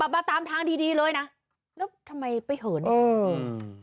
มาตามทางดีเลยนะแล้วทำไมไปเหอะเนี่ย